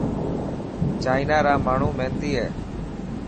چائنا را ماڻهومهينتي هي.